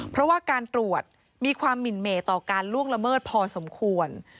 เพราะว่าการตรวจมีความหมินเมต่อการล่วงละเมิดพอสมควร